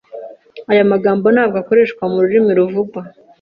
Aya magambo ntabwo akoreshwa mururimi ruvugwa.